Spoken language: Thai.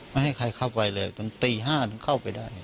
ไม่ให้ใครเข้าไปเลยตอนตี๕ถึงเข้าไปได้